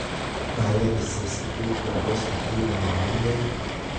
ايا د سياسي پرېکړو اغېز په خلکو معلوم دی؟